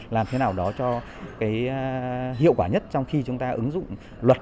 làm thế nào đó cho cái hiệu quả nhất trong khi chúng ta ứng dụng luật